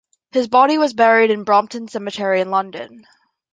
His body was buried in Brompton Cemetery in London.